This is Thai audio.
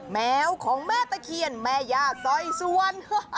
แมวของแม่ตะเคียนแม่ย่าซอยสวน